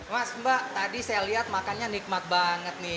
mas mbak tadi saya lihat makannya nikmat banget nih